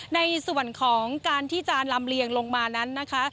ในส่วนของการที่จะลำเลียงลงมานั้นนะคะ